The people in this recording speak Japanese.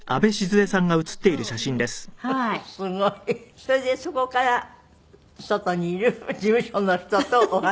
すごい。それでそこから外にいる事務所の人とお話をして。